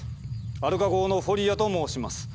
アルカ号のフォリアと申します。